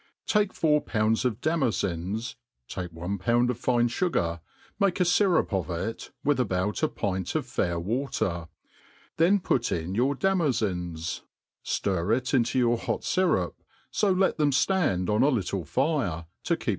TAKE four pounds of damolins ; take one pound of fine fugar, make a fyrup of it^ with about a pint of fair water ; then put in your daimofins, ftir it into your hot fyrup,' fo let then ftand on a little fire, to keep.